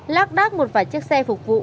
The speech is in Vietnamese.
lác đác một vài chiếc xe phục vụ